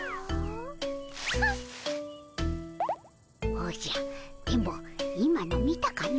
おじゃ電ボ今の見たかの。